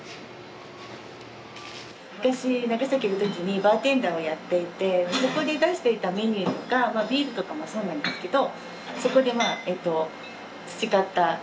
昔長崎にいるときにバーテンダーをやっていてそこで出していたメニューとかビールとかもそうなんですけど。